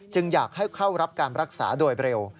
จึงอยากให้เข้ารับรักษาโดยเร็ว